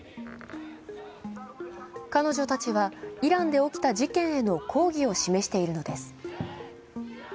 彼女たちは、イランで起きた事件への抗議を示しているのです。